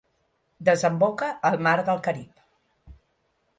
Desemboca al Mar del Carib.